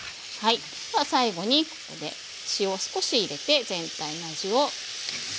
では最後にここで塩を少し入れて全体の味を締めていきます。